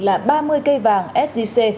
là ba mươi cây vàng sgc